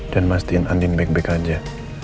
dan mastiin andiin back back aja